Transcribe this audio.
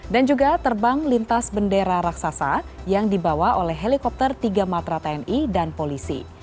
dan juga terbang lintas bendera raksasa yang dibawa oleh helikopter tiga matra tni dan polisi